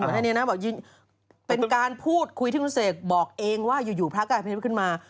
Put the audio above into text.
ตำรวจแบบนี้นะเป็นการพูดคุยที่คุณเสกบอกเองว่าอยู่พระกายเป็นเพศขึ้นมา